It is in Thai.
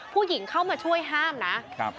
ผู้หญิงเข้ามาช่วยห้ามนะครับ